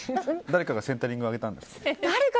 誰かがセンタリング上げたんですか？